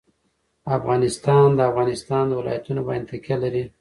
افغانستان په د افغانستان ولايتونه باندې تکیه لري.